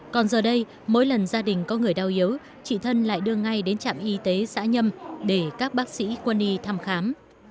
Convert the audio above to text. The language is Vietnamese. còn giờ đây mỗi lần gia đình có người đau yếu chị thân lại đưa ngay đến trạm y tế xã nhâm để các bác sĩ quân y thăm khám